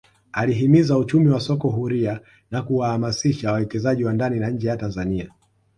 Alihimiza uchumi wa soko huria na kuwahamasisha wawekezaji wa ndani na nje ya Tanzania